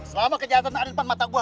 selama kejahatan ada di depan mata gue